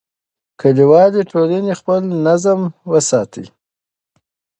کلیوالي ټولنې خپل نظم وساته.